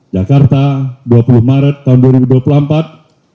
jakarta dua puluh maret tahun dua ribu dua puluh empat